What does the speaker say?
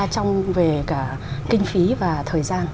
trong về cả kinh phí và thời gian